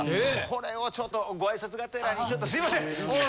これをちょっとご挨拶がてらすいません！